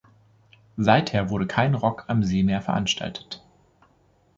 Seither wurde kein Rock am See mehr veranstaltet.